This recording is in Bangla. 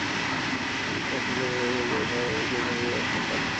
আবু সাঈদের অভিযোগ, যোগ্যতা থাকার পরও সেই অনুযায়ী পারিশ্রমিক পান না।